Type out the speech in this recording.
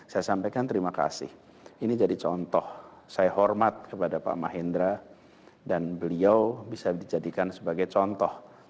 saya sampaikan terima kasih ini jadi contoh saya hormat kepada pak mahendra dan beliau bisa dijadikan sebagai contoh